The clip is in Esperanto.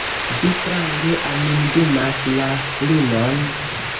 Vi strange amindumas la lunon!